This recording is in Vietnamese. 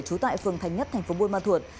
trú tại phường thành nhất tp buôn ma thuột